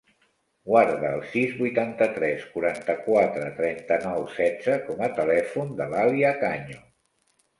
Guarda el sis, vuitanta-tres, quaranta-quatre, trenta-nou, setze com a telèfon de l'Alia Caño.